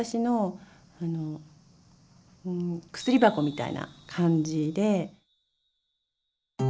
みたいな感じで。